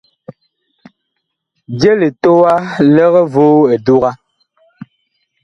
Je litowa lig voo eduga.